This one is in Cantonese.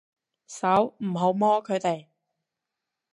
手，唔好摸佢哋